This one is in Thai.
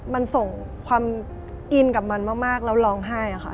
มันส่งความอินกับมันมากแล้วร้องไห้ค่ะ